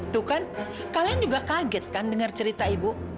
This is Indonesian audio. tuh kan kalian juga kaget kan dengar cerita ibu